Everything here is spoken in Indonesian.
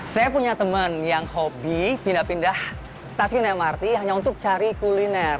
saya punya teman yang hobi pindah pindah stasiun mrt hanya untuk cari kuliner